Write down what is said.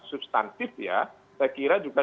substantif ya saya kira juga